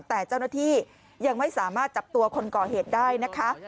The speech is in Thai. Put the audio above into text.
แต่เจ้าหน้าที่ยังไม่สามารถจับตัวคนก่อเหตุได้นะคะ